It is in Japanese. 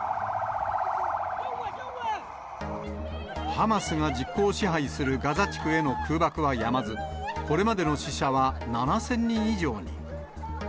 ハマスが実効支配するガザ地区への空爆はやまず、これまでの死者は７０００人以上に。